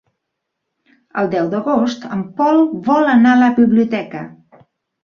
El deu d'agost en Pol vol anar a la biblioteca.